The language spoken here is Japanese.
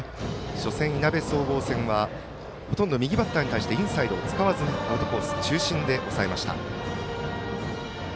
初戦、いなべ総合戦はほとんど右バッターにインサイドを使わずにアウトコース中心で抑えました。